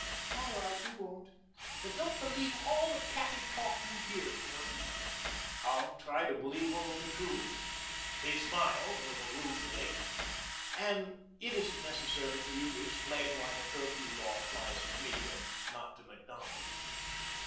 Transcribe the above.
"All right. We won't. But don't believe all the catty talk you hear, Gordon." "I'll try to believe only the truth." He smiled, a little ruefully. "And it isn't necessary for you to explain why the curfew law applies to me and not to Macdonald."